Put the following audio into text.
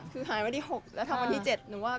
คือหายวันที่๖แล้วทำวันที่๗หนูว่า